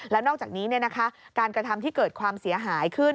แล้วนอกจากนี้การกระทำที่เกิดความเสียหายขึ้น